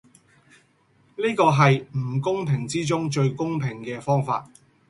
呢個係唔公平之中最公平既方法